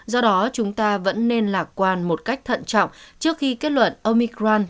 do đó chúng ta vẫn nên lạc quan một cách thận trọng trước khi kết luận omicran